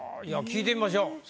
いや聞いてみましょう。